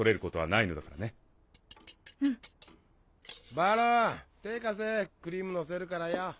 バロン手ぇ貸せクリームのせるからよ。